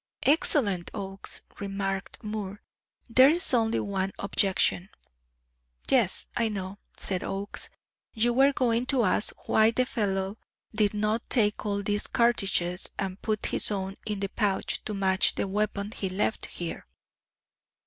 "Excellent, Oakes," remarked Moore. "There's only one objection." "Yes, I know," said Oakes. "You were going to ask why the fellow did not take all these cartridges and put his own in the pouch to match the weapon he left here."